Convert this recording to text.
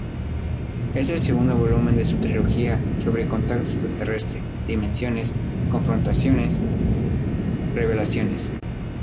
Es el segundo volumen de su trilogía sobre contacto extraterrestre: "Dimensiones", "Confrontaciones", "Revelaciones".